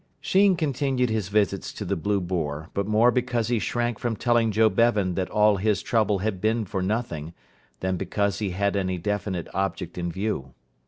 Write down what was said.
Sheen continued his visits to the "Blue Boar", but more because he shrank from telling Joe Bevan that all his trouble had been for nothing, than because he had any definite object in view.